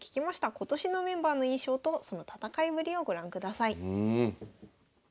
今年のメンバーの印象とその戦いぶりをご覧ください。